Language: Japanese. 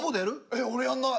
えっ俺やんない。